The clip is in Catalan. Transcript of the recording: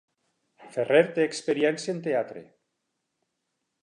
Ferrer té experiència en teatre.